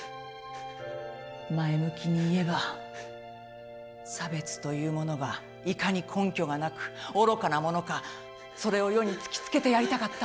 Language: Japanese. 前向きに言えば差別というものがいかに根拠がなく愚かなものかそれを世に突きつけてやりたかった。